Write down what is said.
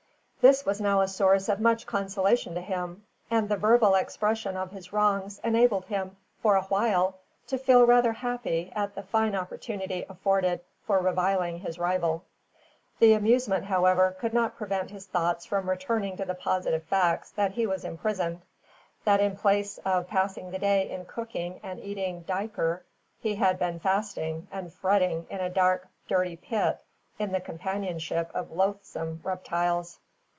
This was now a source of much consolation to him, and the verbal expression of his wrongs enabled him for a while to feel rather happy at the fine opportunity afforded for reviling his rival. The amusement, however, could not prevent his thoughts from returning to the positive facts that he was imprisoned; that in place of passing the day in cooking and eating duyker, he had been fasting and fretting in a dark, dirty pit, in the companionship of loathsome reptiles.